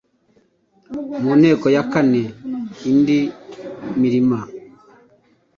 Mu nteko ya kane: Indi mirima